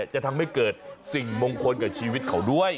จะทำให้เกิดสิ่งมงคลกับชีวิตเขาด้วย